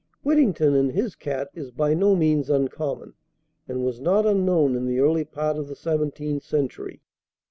"Whittington and his Cat" is by no means uncommon, and was not unknown in the early part of the seventeenth century.